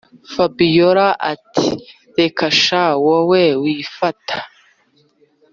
fabiora ati”reka sha wowe wifata